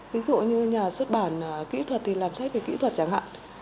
ví dụ như nhà xuất bản kỹ thuật thì làm sách về kỹ thuật chẳng hạn